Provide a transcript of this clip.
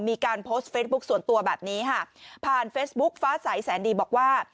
มีการโพสต์เฟซบุ๊คส่วนตัวแบบนี้ค่ะผ่านเฟซบุ๊คฟ้าใสแสนดีบอกว่า